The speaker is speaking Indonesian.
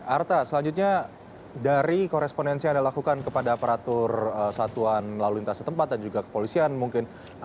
arta selanjutnya dari korespondensi yang dilakukan kepada aparatur satuan lalu lintas setempat dan juga kepolisian mungkin